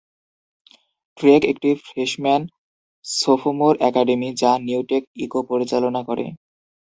Trek একটি freshman sophomore academy যা New Tech: Echo পরিচালনা করে।